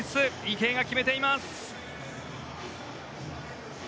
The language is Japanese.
池江が決めています。